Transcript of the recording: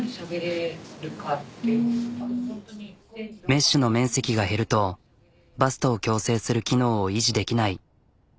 メッシュの面積が減るとバストを矯正する機能を維持できない。